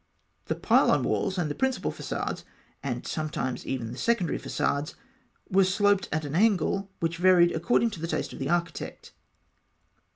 The pylon walls and the principal façades (and sometimes even the secondary façades) were sloped at an angle which varied according to the taste of the architect.